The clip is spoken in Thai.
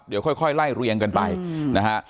เดี๋ยวค่อยไล่เรียงกันไปนะฮะ